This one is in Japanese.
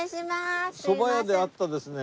そば屋で会ったですね